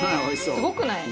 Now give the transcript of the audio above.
すごくない？